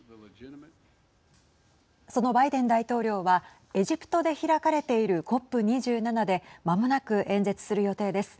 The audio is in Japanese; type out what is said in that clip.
そのバイデン大統領はエジプトで開かれているＣＯＰ２７でまもなく演説する予定です。